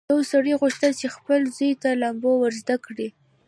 یو سړي غوښتل چې خپل زوی ته لامبو ور زده کړي.